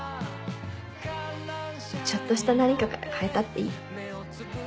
ちょっとした何かから変えたっていい。